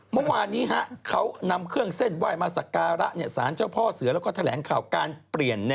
ไม่ใช่คดีหรือบาเบีย